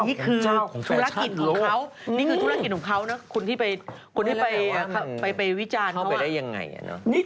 อันนี้คือธุรกิจของเขานะคนที่ไปวิจารณ์เข้ามาได้ยังไง